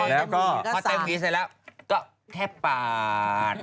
แล้วก็ออกเต็มข์ผิดเสร็จแล้วก็ก็แค่ปา